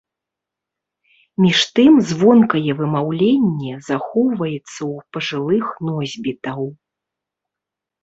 Між тым, звонкае вымаўленне захоўваецца ў пажылых носьбітаў.